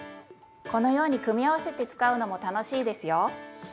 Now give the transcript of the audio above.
このように組み合わせて使うのも楽しいですよ。